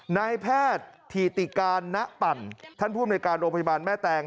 นายแพทย์ถิติการณปั่นท่านภูมิในการโรงพยาบาลแม่แตง